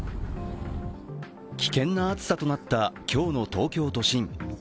危険な暑さとなった今日の東京都心。